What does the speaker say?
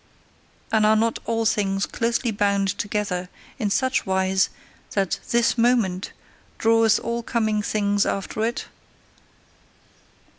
And are not all things closely bound together in such wise that This Moment draweth all coming things after it?